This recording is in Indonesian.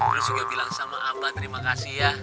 terus juga bilang sama abah terima kasih ya